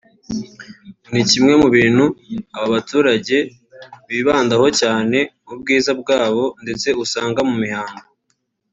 ngo ni kimwe mu bintu aba baturage bibandaho cyane mu bwiza bwabo ndetse usanga mu mihango